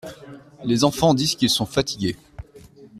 Les enfants disent qu’ils sont fatigués.